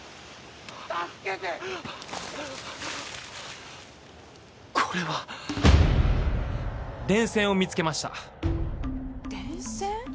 助けてこれは電線を見つけました電線？